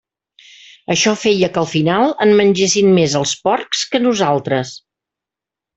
Això feia que al final en mengessin més els porcs que nosaltres.